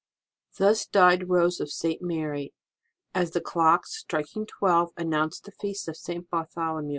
Thus died Rose of St. Mary, as the clocks, striking twelve, announced the Feast of St. Bar tholomew.